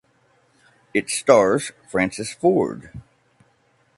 It stars Francis Ford.